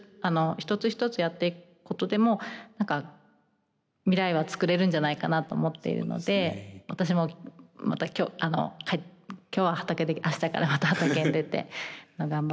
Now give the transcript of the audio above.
一つ一つやっていくことでも何か未来はつくれるんじゃないかなと思っているので私もまた今日は畑で明日からまた畑に出て頑張っていこうと思いました。